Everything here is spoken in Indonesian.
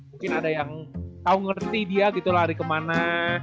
mungkin ada yang tahu ngerti dia gitu lari kemana